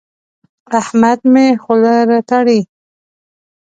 احمد مې خوله راتړي.